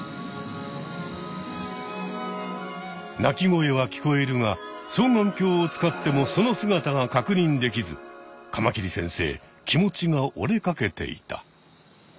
鳴き声は聞こえるが双眼鏡を使ってもその姿がかくにんできずカマキリ先生気持ちが折れかけていた。